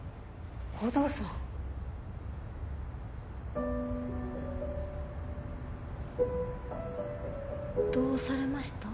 護道さんどうされました？